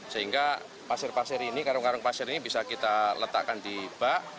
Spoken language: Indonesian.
sehingga pasir pasir ini karung karung pasir ini bisa kita letakkan di bak